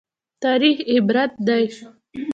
تاریخ عبرت دی